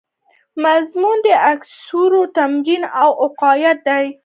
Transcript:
موضوع یې د عسکرو تمرین او قواعد دي.